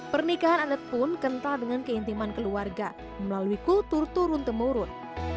pernikahan adat pun kental dengan keintiman keluarga melalui kultur turun temurun